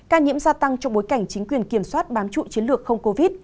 ca nhiễm gia tăng trong bối cảnh chính quyền kiểm soát bám trụ chiến lược không covid